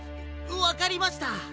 わかりました。